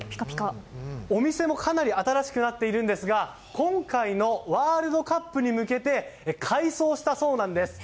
お店もかなり新しくなっているんですが今回のワールドカップに向けて改装したそうなんです。